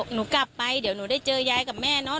หนูกลับไปเดี๋ยวหนูได้เจอยายกับแม่เนาะ